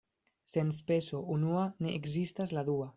Sen speso unua ne ekzistas la dua.